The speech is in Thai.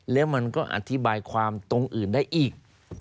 แล้วมันก็อธิบายความตรงอื่นได้อีก